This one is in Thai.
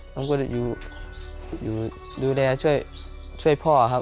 ผมก็ดูแลช่วยพ่อครับ